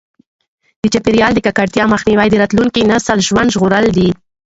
د چاپیریال د ککړتیا مخنیوی د راتلونکي نسل ژوند ژغورل دي.